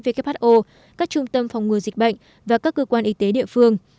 who các trung tâm phòng ngừa dịch bệnh và các cơ quan y tế địa phương